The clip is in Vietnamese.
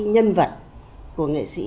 nhân vật của nghệ sĩ